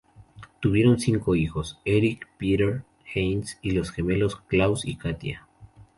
Tuvieron cinco hijos: Erik, Peter, Heinz y los gemelos Klaus y Katia.